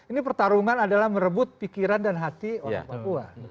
ini pertarungan adalah merebut pikiran dan hati orang papua